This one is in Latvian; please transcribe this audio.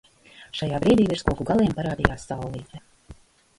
Šajā brīdī virs koku galiem parādījās saulīte.